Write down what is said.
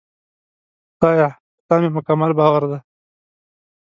خدایه! په تا مې مکمل باور دی.